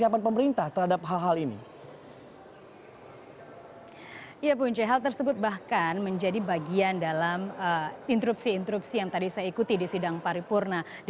berita terkini dari dpr